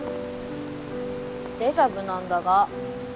デジャブなんだが。